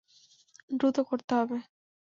দ্রুত করতে হবে।